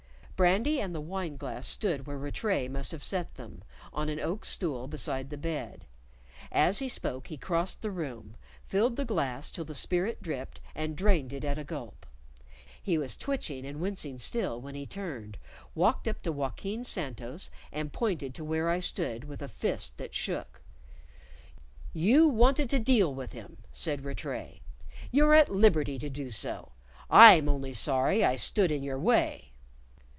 Brandy and the wine glass stood where Rattray must have set them, on an oak stool beside the bed; as he spoke he crossed the room, filled the glass till the spirit dripped, and drained it at a gulp. He was twitching and wincing still when he turned, walked up to Joaquin Santos, and pointed to where I stood with a fist that shook. "You wanted to deal with him," said Rattray; "you're at liberty to do so. I'm only sorry I stood in your way."